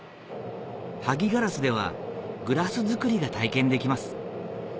萩ガラスではグラス作りが体験できます